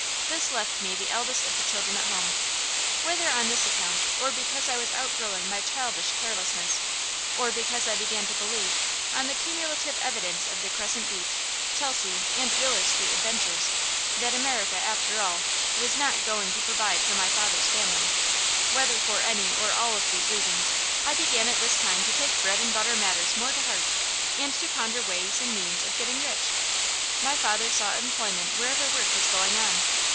This left me the eldest of the children at home. Whether on this account, or because I was outgrowing my childish carelessness, or because I began to believe, on the cumulative evidence of the Crescent Beach, Chelsea, and Wheeler Street adventures, that America, after all, was not going to provide for my father's family, whether for any or all of these reasons, I began at this time to take bread and butter matters more to heart, and to ponder ways and means of getting rich. My father sought employment wherever work was going on.